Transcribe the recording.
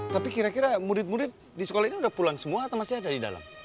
tapi kira kira murid murid di sekolah ini udah pulang semua atau masih ada di dalam